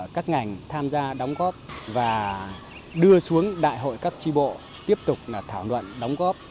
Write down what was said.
các ngành tham gia đóng góp và đưa xuống đại hội các tri bộ tiếp tục thảo luận đóng góp